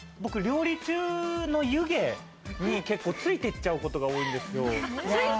料理中の湯気についていっちゃうことが多いんですよ。